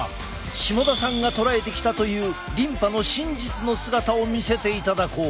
下田さんが捉えてきたというリンパの真実の姿を見せていただこう。